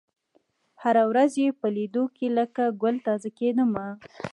هره ورځ یې په لېدلو لکه ګل تازه کېدمه